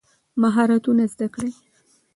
مهارتونه زده کړئ.